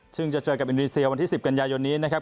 ซึ่งจะเจอกับอินโดนีเซียวันที่๑๐กันยายนนี้นะครับ